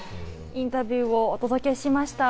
インタビューをお届けしました。